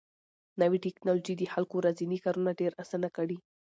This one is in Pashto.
نوې ټکنالوژي د خلکو ورځني کارونه ډېر اسانه کړي